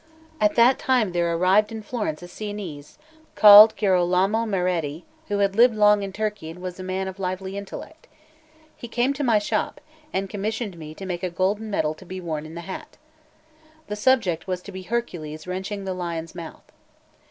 At that time there arrived in Florence a Sienese, called Girolamo Marretti, who had lived long in Turkey and was a man of lively intellect. He came to my shop, and commissioned me to make a golden medal to be worn in the hat. The subject was to be Hercules wrenching the lion's mouth.